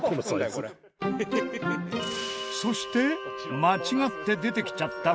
そして間違って出てきちゃった